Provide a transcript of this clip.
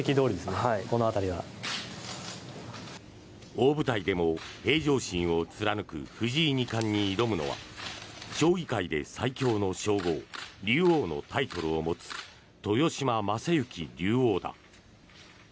大舞台でも平常心を貫く藤井二冠に挑むのは将棋界で最強の称号竜王のタイトルを持つ豊島将之竜王だ。